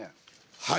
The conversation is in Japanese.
はい。